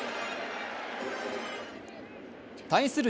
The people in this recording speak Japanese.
対する